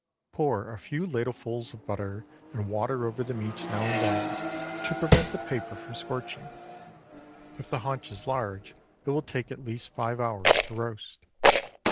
Pour a few ladlefuls of butter and water over the meat now and then, to prevent the paper from scorching. If the haunch is large, it will take at least five hours to roast.